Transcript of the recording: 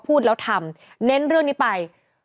พูดแล้วทำเน้นเรื่องนี้ไป